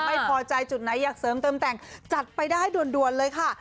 ไม่พอใจจุดไหนอยากเสริมเติมแต่งจัดไปได้ด่วนเลยค่ะ